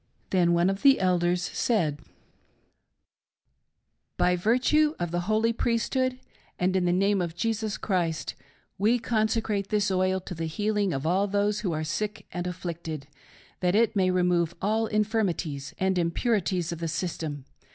Then one of the elders said :" By virtue of the holy priesthood, and in the name of Jesus Christ; we con secrate this oil to the healing of all those who are sick and afflicted; that it may remove all infirmities and impurities of the system.